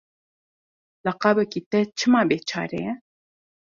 Laqabekî te çima bêçare ye?